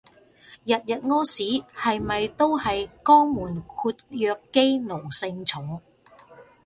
日日屙屎係咪都係肛門括約肌奴性重